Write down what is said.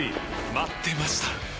待ってました！